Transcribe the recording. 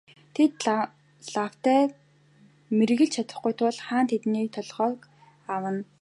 Тэд лавтай мэргэлж чадахгүй тул хаан тэдний толгойг авна.